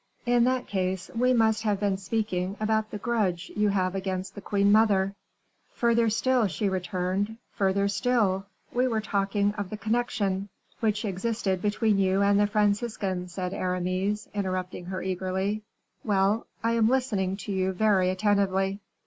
"In that case we must have been speaking about the grudge you have against the queen mother." "Further still," she returned, "further still; we were talking of the connection " "Which existed between you and the Franciscan," said Aramis, interrupting her eagerly, "well, I am listening to you very attentively."